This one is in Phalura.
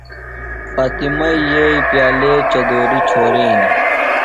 فاطمئی یئیی پیالے چدُوری چھورینیۡ۔